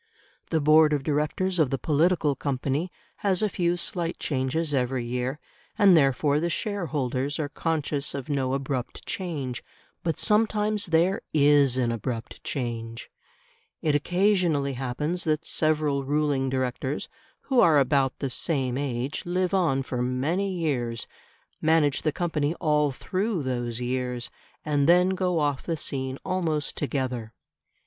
The board of directors of the political company has a few slight changes every year, and therefore the shareholders are conscious of no abrupt change. But sometimes there IS an abrupt change. It occasionally happens that several ruling directors who are about the same age live on for many years, manage the company all through those years, and then go off the scene almost together.